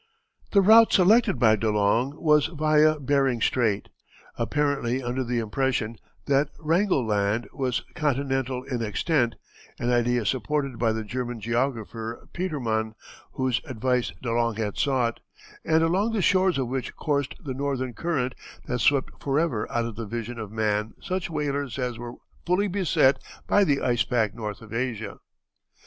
The route selected by De Long was via Behring Strait, apparently under the impression that Wrangel Land was continental in extent, an idea supported by the German geographer Petermann, whose advice De Long had sought, and along the shores of which coursed the northern current that swept forever out of the vision of man such whalers as were fully beset by the ice pack north of Asia.